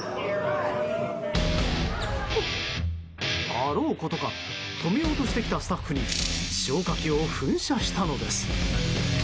あろうことか止めようとしてきたスタッフに消火器を噴射したのです。